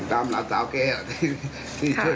ติดตามหลานสาวแกื่แล้วแม่ค่ะ